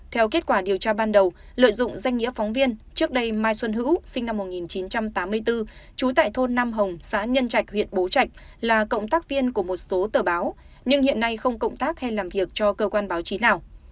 theo kết quả điều tra ban đầu lợi dụng danh nghĩa phóng viên trước đây mai xuân hữu sinh năm một nghìn chín trăm tám mươi bốn trú tại thôn nam hồng xã nhân trạch huyện bố trạch là cộng tác viên của một số tờ báo nhưng hiện nay không cộng tác hay làm việc cho cơ quan báo chí nào